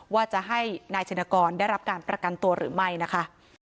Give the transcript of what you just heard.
ว่าจะให้นายชินกรได้รับการประกันตัวหรือไม่นะคะ